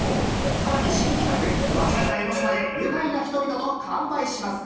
さらに新企画、フワちゃんが江の島で愉快な人々と乾杯します。